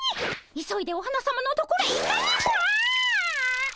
急いでお花さまのところへ行かねばああ。